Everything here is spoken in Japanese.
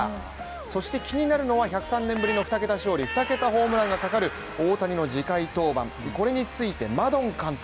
そして気になるのは１０３年ぶりの２桁勝利２桁ホームランがかかる大谷の次回登板、これについてマドン監督